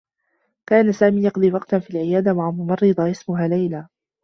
كان سامي يقضي وقتا في العيادة مع ممرّضة اسمها ليلى.